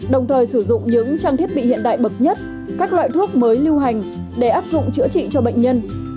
đồng thời sử dụng những trang thiết bị hiện đại bậc nhất các loại thuốc mới lưu hành để áp dụng chữa trị cho bệnh nhân